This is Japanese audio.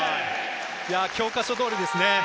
教科書通りですね。